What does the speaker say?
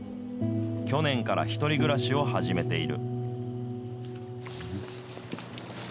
去年から１人暮らしを始めている。